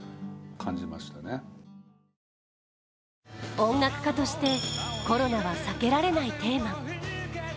音楽家として、コロナは避けられないテーマ。